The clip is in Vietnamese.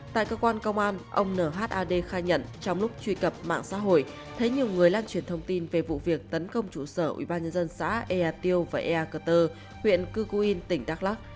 tại cơ quan công an ông nhad khai nhận trong lúc truy cập mạng xã hội thấy nhiều người lan truyền thông tin về vụ việc tấn công trụ sở ubnd xã ea tiêu và ea cờ tơ huyện cư cu yên tỉnh đắk lắc